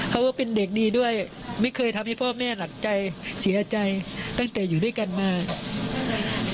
ก็เป็นเด็กดีด้วยไม่เคยทำให้พ่อแม่หนักใจเสียใจตั้งแต่อยู่ด้วยกันมา